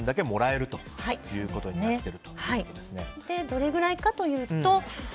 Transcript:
で、どれぐらいかというと。